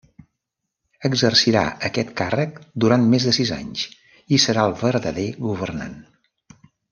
Exercirà aquest càrrec durant més de sis anys i serà el verdader governant.